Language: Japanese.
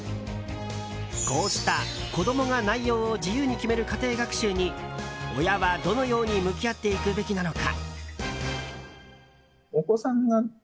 こうした、子供が内容を自由に決める家庭学習に親はどのように向き合っていくべきなのか。